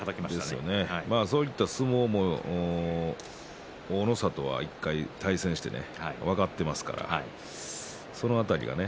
そういった相撲も大の里は１回、対戦して分かっていますからその辺りはね